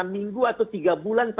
enam minggu atau tiga bulan empat